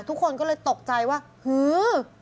ทุกคนก็เลยตกใจว่าฮือ